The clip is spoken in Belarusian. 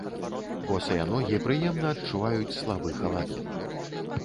Босыя ногі прыемна адчуваюць слабы халадок.